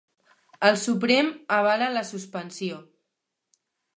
El Suprem avala la suspensió